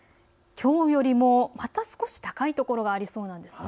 きょうよりもまた少し高い所がありそうなんです。